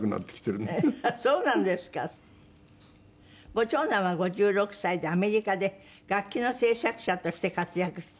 ご長男は５６歳でアメリカで楽器の製作者として活躍していらっしゃる。